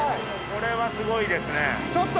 これはすごいですね。